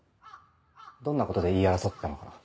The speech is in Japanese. どんなことで言い争ってたのかな？